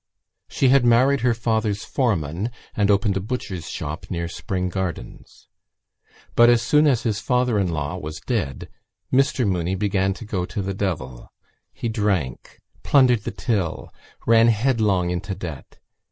She had married her father's foreman and opened a butcher's shop near Spring Gardens. But as soon as his father in law was dead Mr Mooney began to go to the devil. He drank, plundered the till, ran headlong into debt.